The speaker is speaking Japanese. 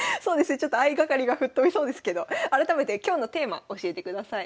ちょっと相掛かりが吹っ飛びそうですけど改めて今日のテーマ教えてください。